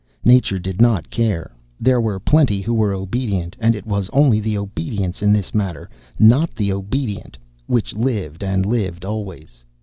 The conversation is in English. Nature did not care; there were plenty who were obedient, and it was only the obedience in this matter, not the obedient, which lived and lived always.